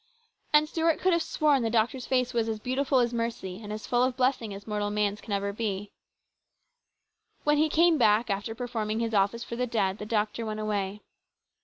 And Stuart could have DISAPPOINTMENT. 225 sworn the doctor's face was as beautiful as mercy, and as full of blessing as mortal man's can ever be. When he came back, after performing his office for the dead, the doctor went away.